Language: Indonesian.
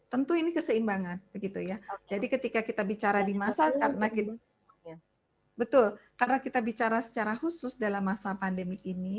tentu ini keseimbangan jadi ketika kita bicara di masa karena kita bicara secara khusus dalam masa pandemi ini